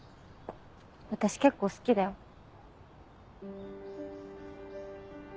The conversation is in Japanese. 私結構好きだよ。